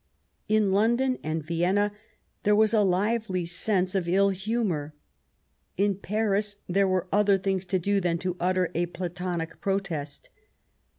In London and Vienna there was a lively sense of ill humour ; in Paris there were other things to do than to utter a Platonic protest.